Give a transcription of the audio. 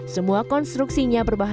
semua konstruksinya berbahaya